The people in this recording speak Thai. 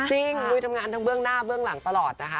มุยทำงานทั้งเบื้องหน้าเบื้องหลังตลอดนะคะ